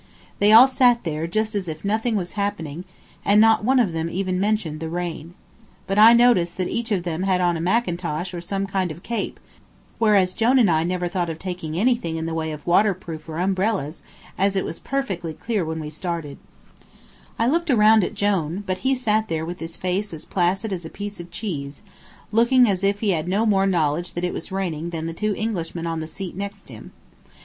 They all sat there just as if nothing was happening, and not one of them even mentioned the rain. But I noticed that each of them had on a mackintosh or some kind of cape, whereas Jone and I never thought of taking anything in the way of waterproof or umbrellas, as it was perfectly clear when we started. [Illustration: "DOWN CAME A SHOWER OF RAIN"] I looked around at Jone, but he sat there with his face as placid as a piece of cheese, looking as if he had no more knowledge it was raining than the two Englishmen on the seat next him.